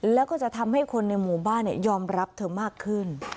แล้วก็จะทำให้คนในหมู่บ้านยอมรับเธอมากขึ้น